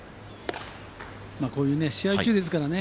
こういう試合中ですからね